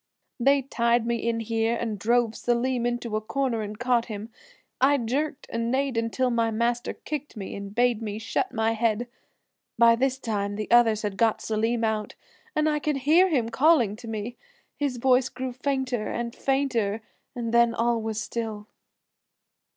"They tied me in here and drove Selim into a corner and caught him. I jerked and neighed until master kicked me and bade me shut my head. By this time the others had got Selim out, and I could hear him calling to me. His voice grew fainter and fainter and then all was still."